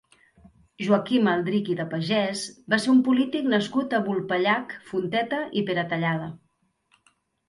Joaquim Aldrich i de Pagès va ser un polític nascut a Vulpellac, Fonteta i Peratallada.